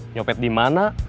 nyopet di mana